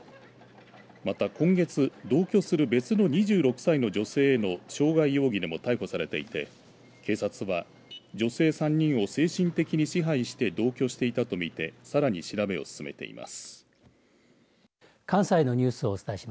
また今月、同居する別の２６歳の女性への傷害容疑でも逮捕されていて警察は女性３人を精神的に支配して同居していたと見てさらに調べを進めています。